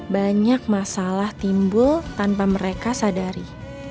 banyak masalah timbul tanpa mereka sadari